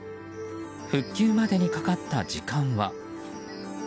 復旧までにかかった時間は。